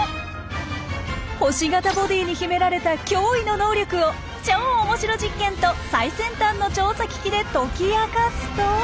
星形ボディーに秘められた驚異の能力を超オモシロ実験と最先端の調査機器で解き明かすと。